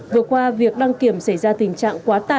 vừa qua việc đăng kiểm xảy ra tình trạng quá tải ở một số cơ sở